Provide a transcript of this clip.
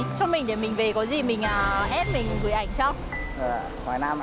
thỉnh thoảng kiểu mình like ảnh với các vị ấy thôi